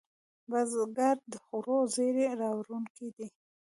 بزګر د خوړو زېری راوړونکی دی